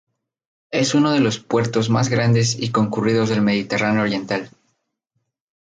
Es uno de los puertos más grandes y concurridos del Mediterráneo Oriental.